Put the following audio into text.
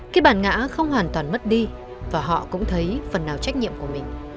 khi bản ngã không hoàn toàn mất đi và họ cũng thấy phần nào trách nhiệm của mình